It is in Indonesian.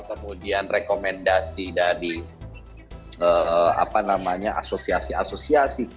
kemudian rekomendasi dari asosiasi asosiasi